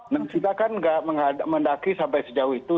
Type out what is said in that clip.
kan tidak mendaki sampai sejauh itu